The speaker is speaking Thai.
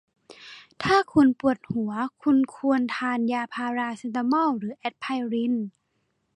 ถ้าคุณปวดหัว คุณควรทานยาพาราเซตามอลหรือแอสไพริน